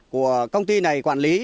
của công ty này quản lý